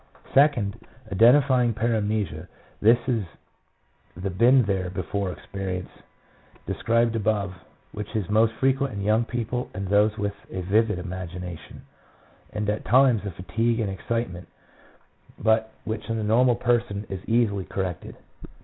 Second, identifying paramnesia ; this is the " been there before " experience described above, which is most frequent in young people and those with a vivid imagination, and at times of fatigue and excitement, but which in the normal person is easily corrected.